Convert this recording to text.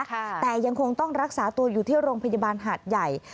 แต่ยังคงต้องรักษาตัวอยู่ที่โรงพยาบาลหาดใหญ่